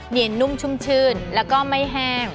นุ่มชุ่มชื่นแล้วก็ไม่แห้ง